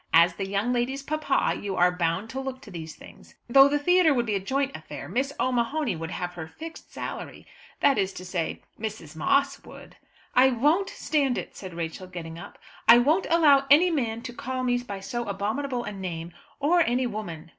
As the young lady's papa you are bound to look to these things. Though the theatre would be a joint affair, Miss O'Mahony would have her fixed salary; that is to say, Mrs. Moss would." "I won't stand it," said Rachel getting up. "I won't allow any man to call me by so abominable a name, or any woman."